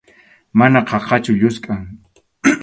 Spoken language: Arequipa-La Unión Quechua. Mana qhachqachu, lluskʼam.